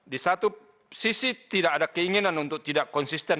di satu sisi tidak ada keinginan untuk tidak konsisten